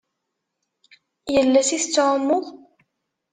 Yal ass i tettɛummuḍ?